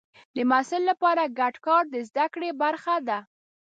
د محصل لپاره ګډ کار د زده کړې برخه ده.